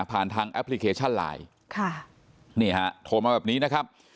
ผ่านทางแอปพลิเคชันไลน์โทรมาแบบนี้นะครับ